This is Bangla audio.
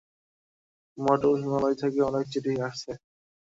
মঠ ও হিমালয় থেকে অনেক চিঠি আসছে।